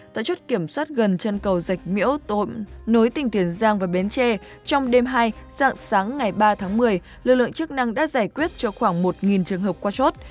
tại chốt kiểm soát gần chân cầu dạch miễu nối tỉnh tiền giang và bến tre trong đêm hai dạng sáng ngày ba tháng một mươi lực lượng chức năng đã giải quyết cho khoảng một trường hợp qua chốt